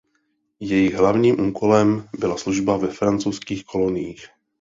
Jejich hlavním úkolem byla služba ve francouzských koloniích.